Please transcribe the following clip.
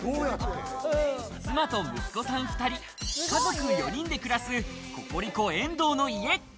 妻と息子さん２人、家族４人で暮らすココリコ・遠藤の家。